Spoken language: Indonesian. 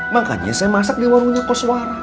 makanya saya masak di warungnya kos warang